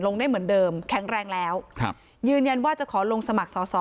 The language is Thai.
ลงได้เหมือนเดิมแข็งแรงแล้วครับยืนยันว่าจะขอลงสมัครสอสอ